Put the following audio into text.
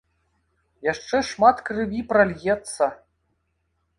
Яшчэ шмат крыві пральецца!